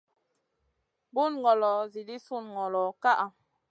Bun ngolo edii sun ngolo ka ʼa.